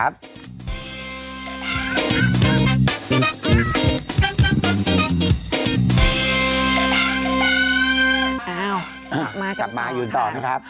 อ้าวกลับมาอยู่ต่อนะครับอ้าวกลับมาอยู่ต่อนะครับ